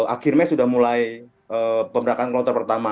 akhirnya sudah mulai pemberangkatan kloter pertama